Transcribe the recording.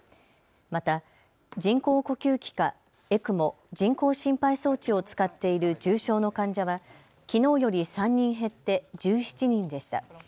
また人工呼吸器かＥＣＭＯ・人工心肺装置を使っている重症の患者はきのうより３人減って１７人でした。